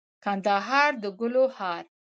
کندهار دګلو هار